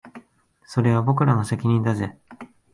それは僕らの責任だぜ